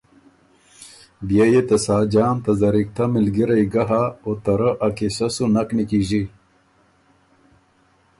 بيې يې ته ساجان ته زرِکتۀ مِلګِرئ ګه هۀ او ته رۀ ا قیصۀ سُو نک نیکیݫی۔